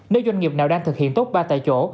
nếu doanh nghiệp nào đang thực hiện tốt ba tại chỗ